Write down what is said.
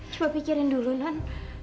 coba pikirin dulu nan